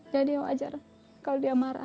jadi wajar kalau dia marah